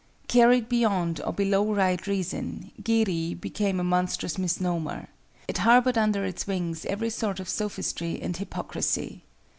Carried beyond or below Right Reason, Giri became a monstrous misnomer. It harbored under its wings every sort of sophistry and hypocrisy.